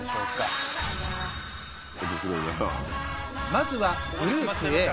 まずはグループＡ。